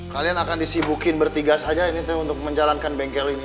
kalian akan disibukin bertiga saja ini untuk menjalankan bengkel ini